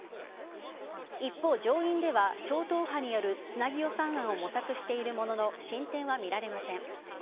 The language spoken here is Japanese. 一方、上院では超党派によるつなぎ予算案を模索しているものの進展は見られません。